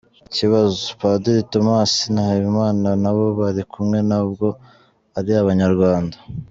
Ikibazo : Padiri Thomas Nahimana n’abo bari kumwe ntabwo ari abanyarwanda ?